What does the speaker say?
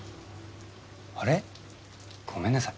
あれっごめんなさい